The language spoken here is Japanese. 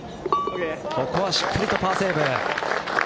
ここはしっかりとパーセーブ。